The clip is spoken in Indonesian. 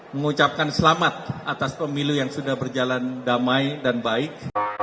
mengucapkan selamat atas pemilu yang sudah berjalan damai dan baik